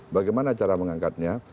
bagaimana cara mengangkatnya